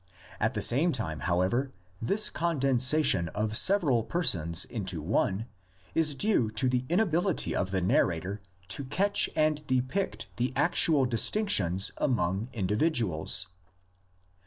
At the same time, however, this condensation of several persons into one is due to the inability of the narrator to catch and depict the actual distinctions among individuals.